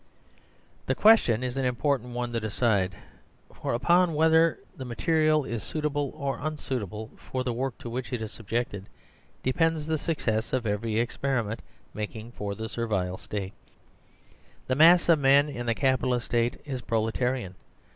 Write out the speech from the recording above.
The question isanimportant onetodecide, forupon whether the material is suitable or unsuitable for the work to which it is subjected, depends the success of every experiment making for the Servile State. 134 MAKING FOR SERVILE STATE The mass of men in the Capitalist State is prole tarian.